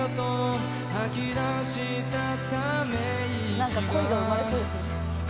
何か恋が生まれそうですね。